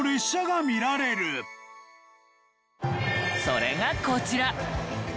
それがこちら。